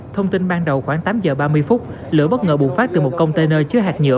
thông tin ban đầu khoảng tám giờ ba mươi phút lửa bất ngờ bùng phát từ một container chứa hạt nhựa